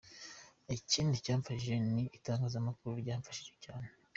Ikindi cyamfashije ni itangazamakuru ryaramfashije cyane.